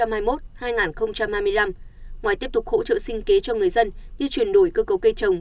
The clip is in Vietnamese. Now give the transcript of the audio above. giai đoạn hai nghìn hai mươi một hai nghìn hai mươi năm ngoài tiếp tục hỗ trợ sinh kế cho người dân như chuyển đổi cơ cấu cây trồng